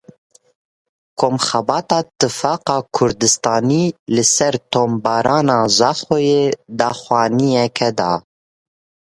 Komxebata Tifaqa Kurdistanî li ser topbarana Zaxoyê daxuyaniyek da.